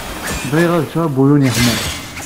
Bɣiɣ ad cceɣ abuyun yeḥman.